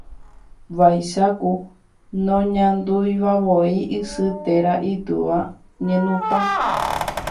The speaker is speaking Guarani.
Vaicháku noñanduivavoi isy térã itúva ñenupã.